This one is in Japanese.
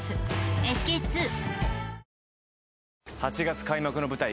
８月開幕の舞台